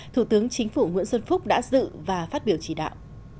thủ tướng chính phủ nguyễn xuân phúc đã dự và phát biểu chỉ đạo